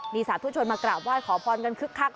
มีสาธุชนมากราบไหว้ขอพรกันคึกคัก